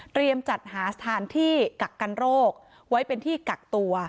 เตรียมหาจัดมาเกั่งกันโครงคันโรคไว้เป็นที่กักตัว